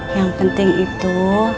yang penting itu